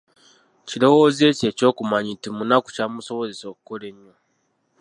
kirowoozo ekyo eky'okumanya nti munaku kyamusobozesa okukola ennyo.